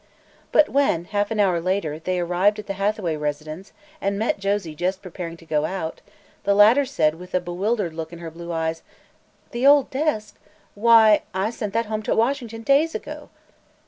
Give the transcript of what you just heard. But when, half an hour later, they arrived at the Hathaway residence, and met Josie just preparing to go out, the latter said with a bewildered look in her blue eyes: "The old desk? Why, I sent that home to Washington days ago!"